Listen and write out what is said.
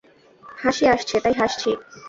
হাসি আসছে, তাই হাসছি।